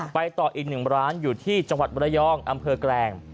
ไปต่ออีกหนึ่งร้านอยู่ที่จังหวัดมรยองอำเภอแกลง